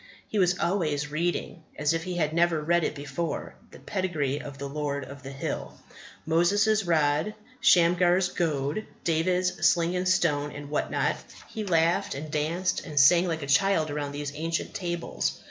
He was always reading, as if he had never read it before, the pedigree of the Lord of the Hill. Moses' rod, Shamgar's goad, David's sling and stone, and what not he laughed and danced and sang like a child around these ancient tables.